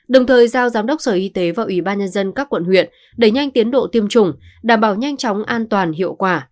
đồng thời giao giám đốc sở y tế và ubnd các quận huyện đẩy nhanh tiến độ tiêm chủng đảm bảo nhanh chóng an toàn hiệu quả